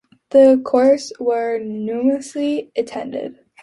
These courses were numerously attended.